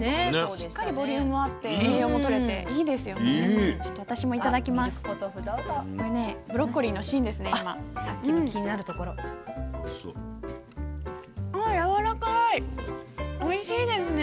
しっかりボリュームがあって栄養もとれていいですよね。